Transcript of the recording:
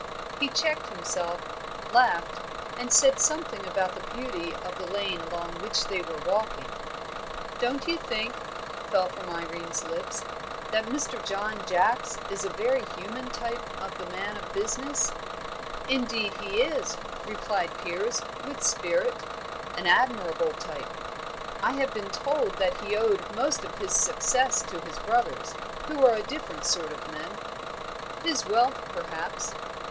He checked himself, laughed, and said something about the beauty of the lane along which they were walking. "Don't you think," fell from Irene's lips, "that Mr. John Jacks is a very human type of the man of business?" "Indeed he is!" replied Piers, with spirit. "An admirable type." "I have been told that he owed most of his success to his brothers, who are a different sort of men." "His wealth, perhaps."